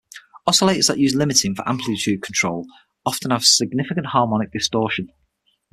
Oscillators that use limiting for amplitude control often have significant harmonic distortion.